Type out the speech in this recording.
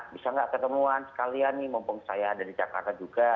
bisa nggak ketemuan sekalian nih mumpung saya ada di jakarta juga